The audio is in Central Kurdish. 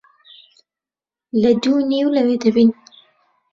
لە دوو و نیو لەوێ دەبین.